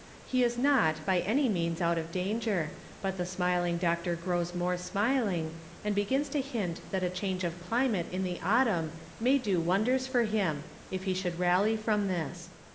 He is not by any means out of danger, but the smiling doctor grows more smiling, and begins to hint that a change of climate in the autumn may do wonders for him, if he should rally from this.